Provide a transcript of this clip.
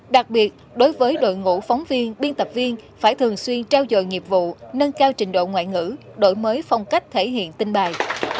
đặc biệt đối với đội ngũ phóng viên biên tập viên phải thường xuyên trao dời nghiệp vụ nâng cao trình độ ngoại ngữ đổi mới phong cách thể hiện tinh bài